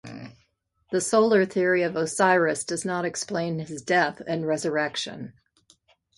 The solar theory of Osiris does not explain his death and resurrection.